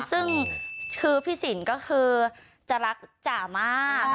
และคือผีสินก็คือจะรักจมาก